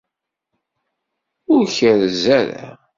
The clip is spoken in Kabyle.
Ur kerrez ara.